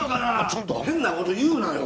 ちょっと変なこと言うなよ